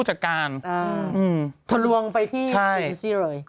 ทะลวงไปที่ดูซีเรย์